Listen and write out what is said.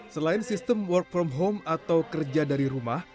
selain sistem work from home atau kerja dari rumah